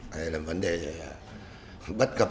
đây là vấn đề bất cập